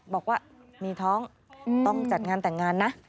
บอกว่ามีท้องต้องจัดงานแต่งงานนะ